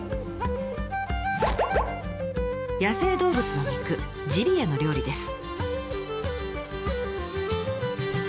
野生動物の肉ジビエの料理です。